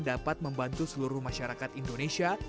dapat membantu seluruh masyarakat indonesia